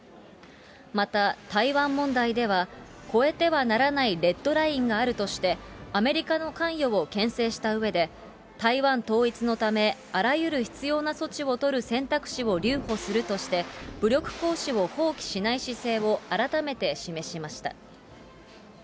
また、台湾問題では越えてはならないレッドラインがあるとして、アメリカの関与をけん制したうえで、台湾統一のため、あらゆる必要な措置を取る選択肢を留保するとして、武力行使を放棄しない姿勢を改めて示しました。